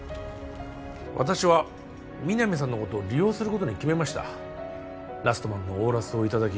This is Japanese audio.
私は皆実さんのことを利用することに決めましたラストマンのオーラスをいただき